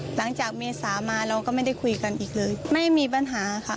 เมษามาเราก็ไม่ได้คุยกันอีกเลยไม่มีปัญหาค่ะ